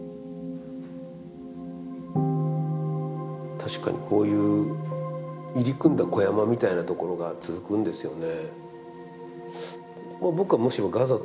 確かにこういう入り組んだ小山みたいなところが続くんですよね。